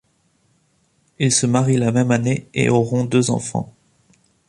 Ils se marient la même année et auront deux enfants.